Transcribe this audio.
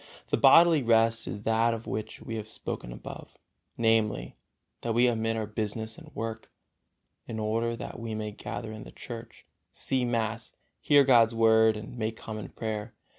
The bodily rest is that of which we have spoken above, namely, that we omit our business and work, in order that we may gather in the church, see mass, hear God's Word and make common prayer.